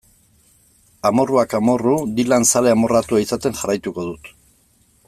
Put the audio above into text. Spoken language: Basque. Amorruak amorru, Dylan zale amorratua izaten jarraituko dut.